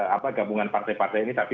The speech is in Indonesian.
apa gabungan partai partai ini tapi